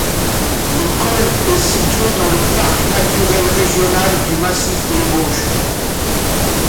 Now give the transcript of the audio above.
Le col est situé dans le parc naturel régional du Massif des Bauges.